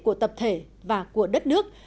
của tập thể và của đất nước